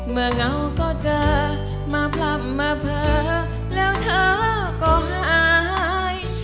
เมื่อเหงาก็เจอมาพลับมาเผลอแล้วเธอก็หาย